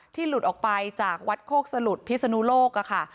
หลุดออกไปจากวัดโคกสลุดพิศนุโลกค่ะ